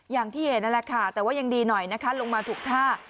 อย่างที่เห็นนั่นแหละค่ะแต่ว่ายังดีหน่อยนะคะลงมาถูกท่า